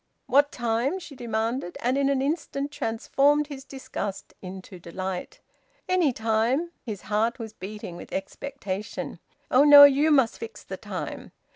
"What time?" she demanded, and in an instant transformed his disgust into delight. "Any time." His heart was beating with expectation. "Oh no! You must fix the time."